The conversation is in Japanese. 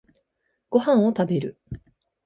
ご飯を食べる。